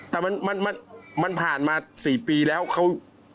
แต่มันมันมันมันผ่านมา๔ปีแล้วเขา